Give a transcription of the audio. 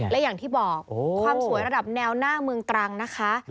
และอย่างที่บอกความสวยระดับแนวหน้าเมืองตรังนะคะ